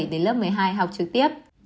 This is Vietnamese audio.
đến lớp một mươi hai học trực tiếp